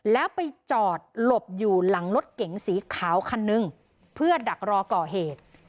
แล้วไปจอดหลบอยู่หลังรถเก๋งสีขาวคันนึงเพื่อดักรอก่อเหตุ